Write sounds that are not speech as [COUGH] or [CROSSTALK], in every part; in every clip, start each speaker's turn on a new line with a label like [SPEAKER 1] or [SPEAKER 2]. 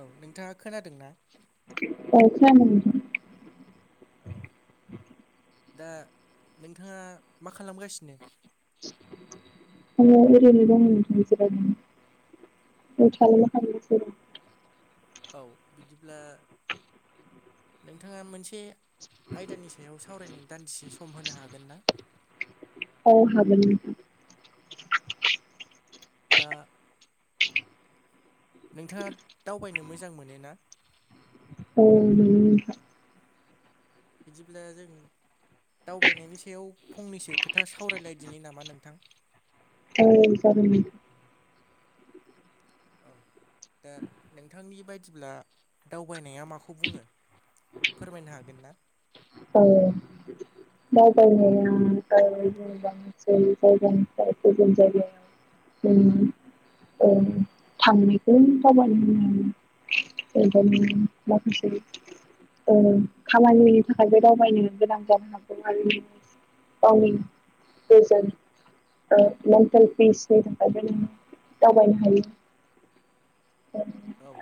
[SPEAKER 1] औ नोंथाङा खोनादोंना?
[SPEAKER 2] औ खोनादों नोंथां
[SPEAKER 1] औ दा नोंथाङा मा खालामगासिनो?
[SPEAKER 2] आंयो ओरैनो दंयो नोंथां जिरायनानै औथालला हारि बिसोरो। [UNINTELLIGIBLE]
[SPEAKER 1] औ बिदिब्ला नोंथाङा मोनसे आयदानि सायाव सावरायनो दान्दिसे सम होनो हागोन ना?
[SPEAKER 2] औ हागोन
[SPEAKER 1] दा नोंथाङा दावबायनो मोजां मोनो ना?
[SPEAKER 2] औ मोनो।
[SPEAKER 1] बिदिब्ला जों दावबायनायनि सायाव फंनैसो खोथा सावरायलायदिनि नामा नोंथां?
[SPEAKER 2] औ जागोन।
[SPEAKER 1] औ दा नोंथांनि बायदिब्ला दावबायनाया माखौ बुङो? फोरमायनो हागोन ना?
[SPEAKER 2] आङो दावबायनाया बारेल जायगा जे जायगानिफ्राय गुबुन जायगा ओं औ थामनिखौ दावबायबोनाय यैबानि माखासे ओ खामानि थाखायबो दावबायनो गोनां जानो हागौ आरो गावनि गोजोन ओ मेन्टेल पिसनि थाखाय नों दावबायनो हायो [INAUDIBLE]
[SPEAKER 1] औ।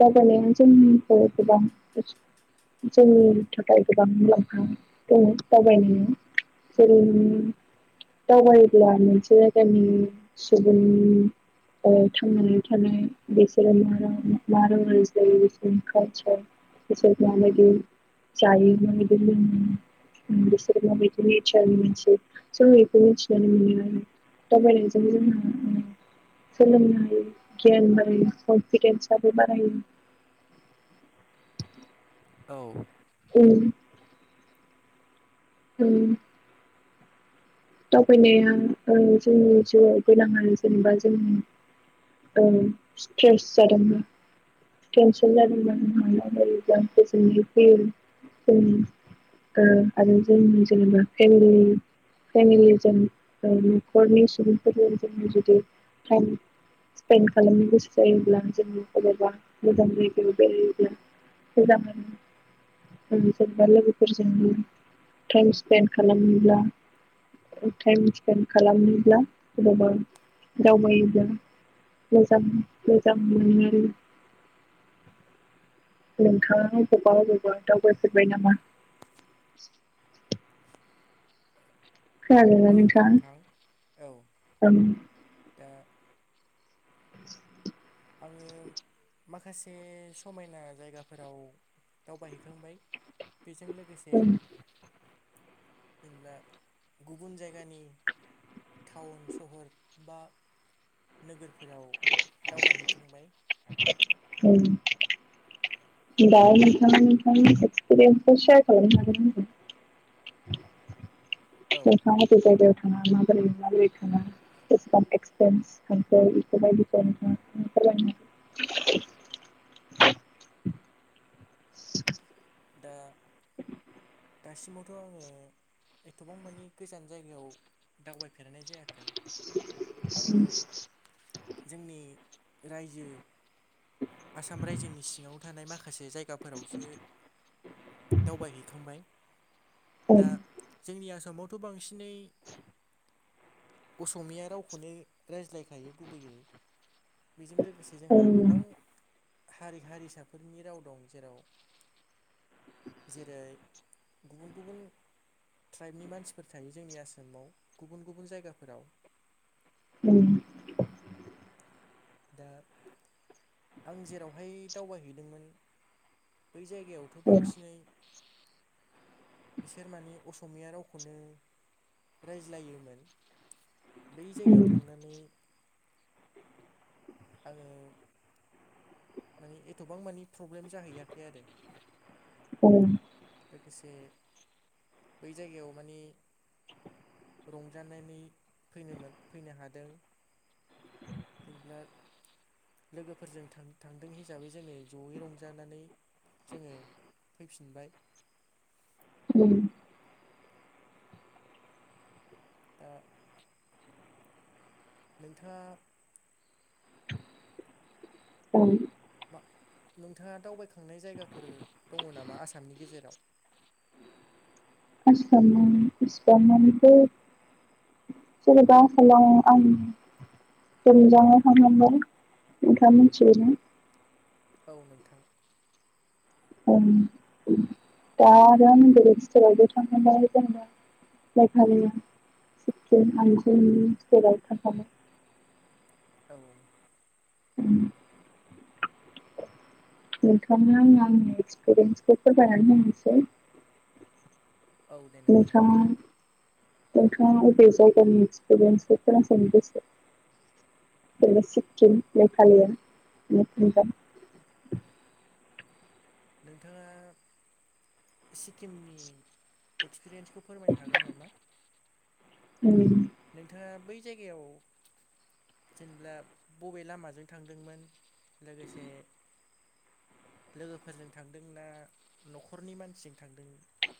[SPEAKER 2] दावबायनायानो जोंनिबो गोबां जोंनि थाखाय गोबां मुलाम्फा दङ दावबायनाया। जेरै दावबायोब्ला मोनसे जायगानि सुबुं अ थांनानै थानाय बिसोरो मा रा मा राव रायज्लायो बिसोरनि खाथियाव बिसोरजों मा बायदि जायोबो बेबो लोंयो [UNINTELLIGIBLE] दावबायनायजों जोंहा सोलोंनो हायो गियान आरो कफिदेन्स बायबो बारायो
[SPEAKER 1] औ।
[SPEAKER 2] उ। ओं। दावबायनाया ओ जोंनि जिउआव गोनांानो जेनेबा जोंनि ओ सिथेरस जादोंमो [UNINTELLIGIBLE] ओ आरो जोंनि जेनेबा फेंगुइन फेमिलि जों ओं न'खरनि सुबुंफोरजों जों जुदि थाम थान खालामनो गोसो जायोब्ला जोंनि अबावबा मोजां जायगायाव बेरायहैदो [UNINTELLIGIBLE] गावनि जेनेबा लोगोफोरजोंबो टाइम स्पेन्ड खालामोब्ला ओ टाइम स्पेन्ड खालामोब्ला अबावबा दावबायोब्ला मोजां मोजां मोनो। नोंथाङा अबावबा अबावबा दावबायफेरबाय नामा? खोनादोंना
[SPEAKER 1] ओ औ
[SPEAKER 2] नोंथाङा
[SPEAKER 1] नोंथां औ
[SPEAKER 2] ओं
[SPEAKER 1] दा
[SPEAKER 2] [UNINTELLIGIBLE]
[SPEAKER 1] आङो माखासे समायना जायगाफोराव दावबायहैखांबाय बेजों लोगोसे
[SPEAKER 2] ओं
[SPEAKER 1] जेनब्ला गुबुन जायगानि थाउन सहर बा नोगोरफोराव दावबायहैखांबाय।
[SPEAKER 2] [UNINTELLIGIBLE] दा नोंथाङा नोंथांनि एक्सपिरियेन्सखौ सेयार खालामनो हागोन [UNINTELLIGIBLE]
[SPEAKER 1] औ
[SPEAKER 2] नोंथां अबे जायगायाव थाङा माबोरै माबोरै थाङा [UNINTELLIGIBLE]
[SPEAKER 1] दा दासिमावथ' आङो एथ'बां मानि गोजान जायगायाव दावबायफेरनाय जायाखै। आङो
[SPEAKER 2] [INAUDIBLE]
[SPEAKER 1] जोंनि रायजो आसाम रायजोनि सिङाव थानाय माखासे जायगाफोरावसो दावबायहैखांबाय दा
[SPEAKER 2] ओं
[SPEAKER 1] जोंनि आसामावथ' बांसिनै अस'मिया रावखौनो रायज्लायखायो गुबैयै बेजों लोगोसे जोंहा
[SPEAKER 2] ओं
[SPEAKER 1] गोबां हारि हारिसाफोरनि राव दं जेराव जेरै गुबुन गुबुन ट्राइबनि मानसिफोर थायो जोंनि आसामाव गुबुन गुबुन जायगाफोराव
[SPEAKER 2] उम
[SPEAKER 1] दा आं जेरावहाय दावबायहैदोंमोन बै जायगायावथ' थ' बांसिनै इसोर माने अस'मिया रावखौनो रायज्लायोमोन बै जायगायाव
[SPEAKER 2] ओं
[SPEAKER 1] थांनानै आङो मानि एथ'बां मानि प्रब्लेम जाहैयाखै आरो।
[SPEAKER 2] औ
[SPEAKER 1] लोगोसे बै जायगायाव माने रंजानानै फैनो मोन फैनो हादों। जेनेब्ला लोगोफोरजों थां थांदों हिसाबै जोङो जयै रंजानानै जोङो फैफिनबाय
[SPEAKER 2] उम
[SPEAKER 1] दा नोंथाङा
[SPEAKER 2] उम
[SPEAKER 1] मा नोंथाङा दावबायखांनाय जायगाफोर दङो नामा आसामनि गेजेराव?
[SPEAKER 2] आसामाव इसिबांमानिथ' जेनेबा आसामाव आं टुमजांआव थांनो मोनबाय नोंथाङा मिथिगो ना?
[SPEAKER 1] औ नोंथां।
[SPEAKER 2] उम उम दा आरो आं बेलेग स्टेटआवबो थांखांबाय जेनेबा मेघालया सिक्किम आनसोलनि स्टेटआव थांखांबाय।
[SPEAKER 1] औ
[SPEAKER 2] उम नोंथांनो आं आंनि एक्सपिरियेन्सखौ फोरमायनानै होनोसै।
[SPEAKER 1] औ दे नोंथां
[SPEAKER 2] नोंथाङा नोंथाङा अबे जायगानि एक्सपिरियेन्सखौ खोनासंनो गोसो। जेनेबा सिक्किम मेघालया पान्जाब
[SPEAKER 1] नोंथाङा सिक्किमनि एक्सपिरियेन्स खौ फोरमायनो हागोन नामा।
[SPEAKER 2] [UNINTELLIGIBLE]
[SPEAKER 1] नोंथाङा बै जायगायाव जेनब्ला बबे लामाजों थांदोंमोन लोगोसे लोगोफोरजों थांदोंना न'खरनि मानसिजों थांदों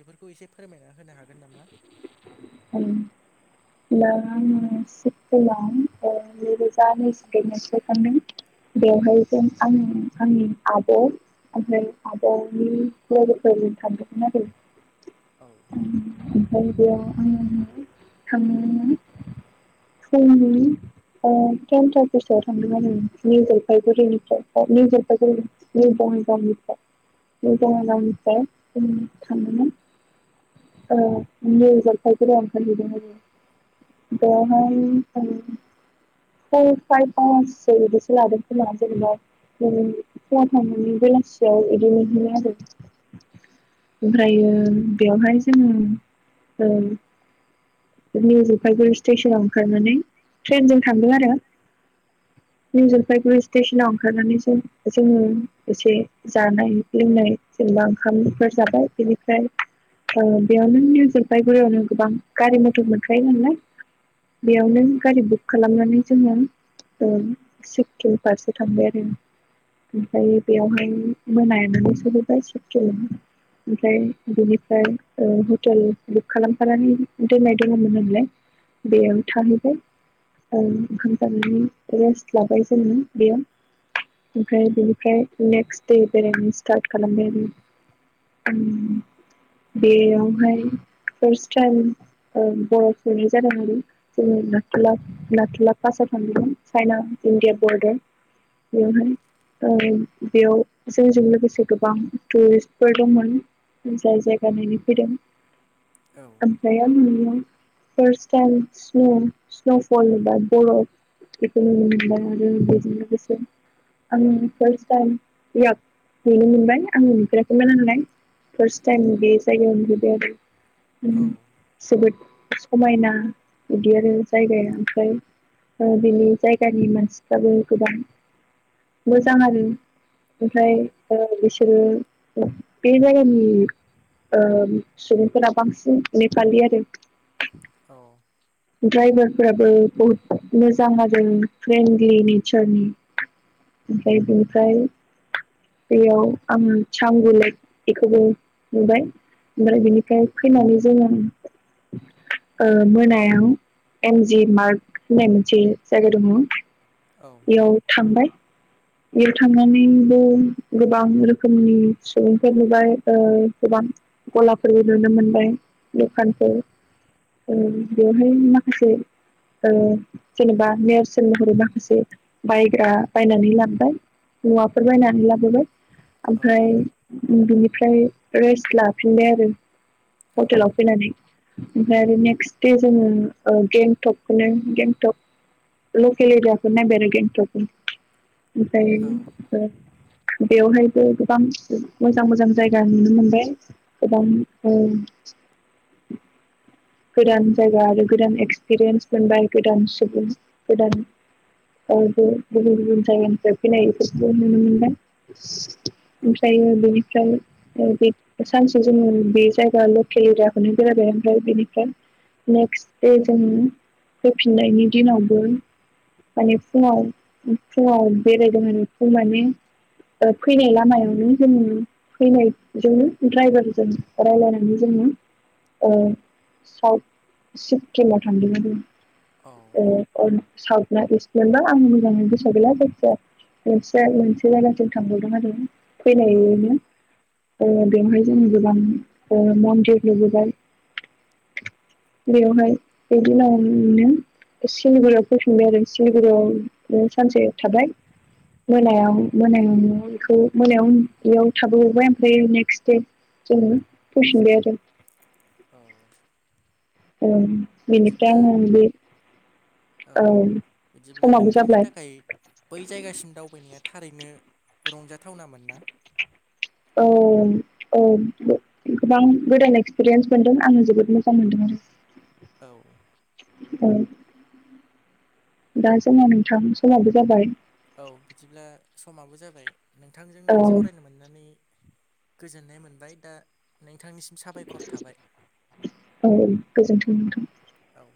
[SPEAKER 1] बेफोरखौ एसे फोरमायना होनो हागोन नामा।
[SPEAKER 2] औ। [UNINTELLIGIBLE] बेवहाय जों आङो आंनि आब'। ओमफ्राय आब'नि लोगोफोर थांदोंमोन आरो।
[SPEAKER 1] औ
[SPEAKER 2] ओमफ्राय बेयाव आङो [UNINTELLIGIBLE] [UNINTELLIGIBLE] [UNINTELLIGIBLE] थांदों आरो निउ जलफायगुरिनिफ्राय नि जलफाइगुरि [UNINTELLIGIBLE] ओ निउ जलफाइगुरियाव ओंखारहैदोंमोन। [UNINTELLIGIBLE] [UNINTELLIGIBLE] [UNINTELLIGIBLE] थांनानै बेलासियाव [UNINTELLIGIBLE] ओमफ्रायो बेवहाय जोङो ओ निउ जौफायगुरि स्टेसनाव ओंखारनानै ट्रेनजों थांदों आरो। निउ जलफायगुरि स्टेसनाव ओंखारनानै जों जोङो एसे जानाय लोंनाय जेनेबा ओंखामफोर जाबाय बेनिफ्राय बेयाव नों जलफाइगुरियावनो गोबां गारि मथर मोनखायो नालाय। बेयावनो गारि बुक खालामनानै जोङो ओ सिक्किम फारसे थांबाय आरो। ओमफ्राय बेयावहाय मोनानानै सफैबाय सिक्किम। ओमफ्राय बिनिफ्राय ओ हटेल बुक खालाम दोननाय दङमोन होनलाय बेयाव थाहैबाय [UNINTELLIGIBLE] रेस्ट लाबाय जोङो बेयाव। ओमफ्राय बेनिफ्राय नेक्स्ट दे बेरायनो स्टार्ट खालामबाय आरो।
[SPEAKER 1] औ
[SPEAKER 2] बेयावहाय फार्स्ट टाइम बर' [UNINTELLIGIBLE] जों नाथुला नाथुला पासाव थांदोंमोन चाइना इण्डिया बरडार। [UNINTELLIGIBLE] ओ बेयाव जोंजों लोगोसे गोबां टुरिस्टफोर दंमोन। जाय जायगा नायनो फैदों।
[SPEAKER 1] औ
[SPEAKER 2] [UNINTELLIGIBLE] फार्स्ट टाइम स्न स्न'फल एबा बरफ। [UNINTELLIGIBLE] आं फार्स थाइम इयाग नुनो मोनबाय आं नुफेराखैमोन नालाय। फास्ट टाइम बे जाइगायाव नुहैबाय आं।
[SPEAKER 1] औ
[SPEAKER 2] जोबोद समायना बिदि आरो जायगाया ओमफ्राय ओ बिनि जायगानि मानसिफ्राबो गोबां मोजां आरो।
[SPEAKER 1] औ
[SPEAKER 2] ओमफ्राय बिसोरो बे जायगानि ओ सुबुंफोरा बांसिन नेपालि आरो।
[SPEAKER 1] औ
[SPEAKER 2] दड्राइभार फोराबो बहुत मोजां जादों फ्रेन्डलि नेचारनि [UNINTELLIGIBLE] दैयाव आं चाम गुलेक बेखौबो नुबाय ओमफ्राय बिनिफ्राय फैनानै जोङो मोनायाव एमजि मार्क होननाय मोनसे जायगा दङ बेयाव थांबाय बेयाव थांनानैबो गोबां रोखोमनि सुबुंफोर नुबाय गोबां गलाफोरबो नुनो मोनबाय दखानफोर बेवहाय माखासे जेनेबा नेवसोन महरै माखासे बायग्रा बायनानै मुवाफोर बायनानै लाबोबाय ओमफ्राय बिनिफ्राय रेस्ट लाफिनबाय आरो हटेलाव फैनानै ओमफ्राय आरो नेक्स्ट दे जोङो गेंटकखौनो गेंटक लकेल [UNINTELLIGIBLE] गेंटकखौनो ओमफाय
[SPEAKER 1] औ
[SPEAKER 2] ओ बेवहायबो गोबां मोजां मोजां जायगा नुनो मोनबाय गोबां औ गोदान जायगा आरो गोदान एक्सपिरियेन्स मोनबाय गोदान सुबुं गोदान औ गुबुन गुबुन जायगानिफ्राय फैनायफोरखौबो नुनो मोनबोबाय ओमफ्राय बेनिफ्राय सानसे जोङो बे जायगा लकेल एरियाखौनो बेरायबाय ओमफ्राय बेनि नेक्स्ट दे जों फैफिननायनि दिनावबो माने फुङाव फुङाव बेरायदों माने फुं माने फैनाय लामायावनो जोंनि फैनायजोंनो ड्राइभारजों रायलायनानै जोङो ओ साउथ सिक्किमाव थांदोंमोन
[SPEAKER 1] औ
[SPEAKER 2] जोङो ओ साउथ ना इस्टमोन ना आं मोजाङै गोसोयाव गैला जायखिजाया मोनसे मोनसे जायगाजों थांबावदों आरो फैनायनि बेवहाय जों गोबां ओ मन्दिर नुबोबाय बेवहाय बिदि लामा नुनो मोनो सिलिगुरियाव फैफिनबाय आरो सिलिगुरियाव सानसे थाबाय मोनायाव मोनायाव बेखौ मोनायाव बेयाव थाबोबाय ओमफ्राय नेक्स्ट दे जों फैफिनबाय आरो
[SPEAKER 1] औ
[SPEAKER 2] औ बेनिफ्राय
[SPEAKER 1] बिदिब्ला
[SPEAKER 2] आं बे औ
[SPEAKER 1] बिदिब्ला
[SPEAKER 2] समाबो
[SPEAKER 1] नोंथांनि
[SPEAKER 2] जाबाय
[SPEAKER 1] थाखाय बै जायगासिम दावबायनाया थारैनो रंजाथावनामोन ना
[SPEAKER 2] औ औ गोबां गोदान एक्सपिरियेन्स मोनदों आं जोबोद मोजां मोनदों आरो
[SPEAKER 1] औ
[SPEAKER 2] औ दा जोङो नोंथां समाबो जाबाय
[SPEAKER 1] औ बिदिब्ला समाबो जाबाय नोंथांजों
[SPEAKER 2] औ
[SPEAKER 1] सावरायनो मोननानै गोजोननाय मोनबाय दा नोंथांनिसि साबायखर थाबाय
[SPEAKER 2] औ गोजोन्थों नोंथां
[SPEAKER 1] औ